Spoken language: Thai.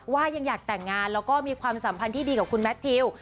ยังอยากแต่งงานแล้วก็มีความสัมพันธ์ที่ดีกับคุณแมททิว